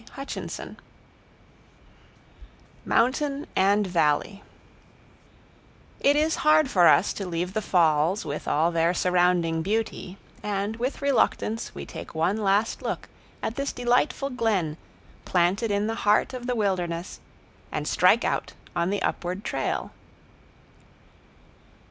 Mountain and Valley It is hard for us to leave the falls with all their surrounding beauty, and with reluctance we take one last look at this delightful glen planted in the heart of the wilderness, and strike out on the upward trail.